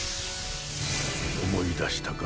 思い出したか？